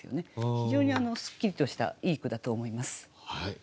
非常にすっきりとしたいい句だと思います。